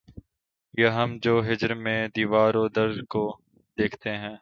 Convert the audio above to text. یہ ہم جو ہجر میں دیوار و در کو دیکھتے ہیں